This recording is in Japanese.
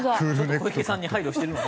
小池さんに配慮してるのか？